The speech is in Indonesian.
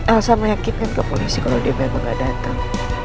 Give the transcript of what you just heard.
elsa meyakinkan ke polisi kalau dia memang gak datang